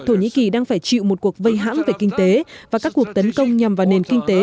thổ nhĩ kỳ đang phải chịu một cuộc vây hãm về kinh tế và các cuộc tấn công nhằm vào nền kinh tế